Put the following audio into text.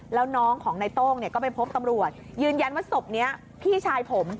แล้วน้องของนายโต้งเนี่ยก็ไปพบตำรวจยืนยันว่าศพนี้พี่ชายผม